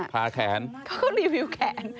แขนเขาก็รีวิวแขน